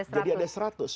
jadi ada seratus